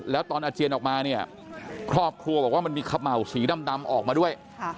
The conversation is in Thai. แล้วตอนอาเจียนออกมาเนี่ยครอบครัวบอกว่ามันมีเขม่าวสีดำออกมาด้วย